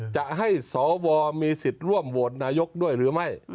จะให้สวมีสิทธิ์ร่วมโหวตนายกด้วยหรือไม่